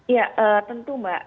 ya tentu mbak